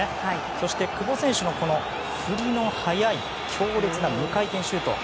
そして、久保選手の振りの速い強烈な無回転シュート。